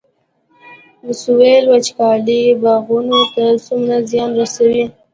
د سویل وچکالي باغونو ته څومره زیان رسوي؟